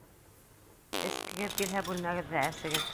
Эскегеҙ килһә, бүлмәгеҙҙә әсегеҙ!